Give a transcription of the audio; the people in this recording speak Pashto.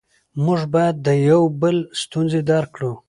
موږ باید د یو بل ستونزې درک کړو